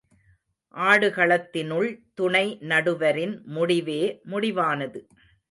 ஆடுகளத்தினுள், துணை நடுவரின் முடிவே முடிவானது.